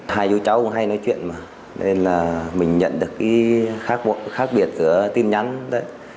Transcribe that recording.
hai vô cháu cũng hay nói chuyện mà nên là mình nhận được cái khác biệt của tin nhắn đấy